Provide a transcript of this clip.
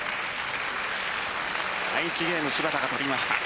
第１ゲーム芝田が取りました。